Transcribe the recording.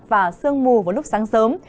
và sương mù vào lúc sáng sớm